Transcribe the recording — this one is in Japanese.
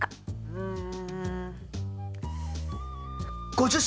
うん。